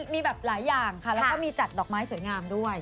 มีแบบหลายอย่างค่ะแล้วก็มีจัดดอกไม้สวยงามด้วย